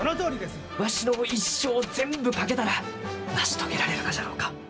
わしの一生を全部かけたら成し遂げられるがじゃろうか。